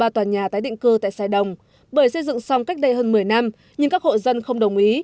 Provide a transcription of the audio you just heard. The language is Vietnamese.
ba tòa nhà tái định cư tại sài đồng bởi xây dựng xong cách đây hơn một mươi năm nhưng các hộ dân không đồng ý